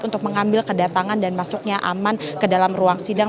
untuk mengambil kedatangan dan masuknya aman ke dalam ruang sidang